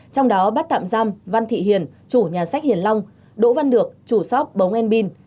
trong đó bát tạm giam văn thị hiền chủ nhà sách hiền long đỗ văn được chủ sóc bống en bin